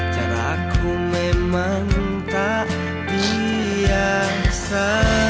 cara aku memang tak biasa